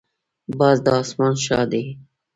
باز د اسمان شاه دی